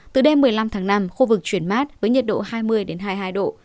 từ đêm một mươi năm tháng năm khu vực chuyển mát với nhiệt độ hai mươi hai mươi hai độ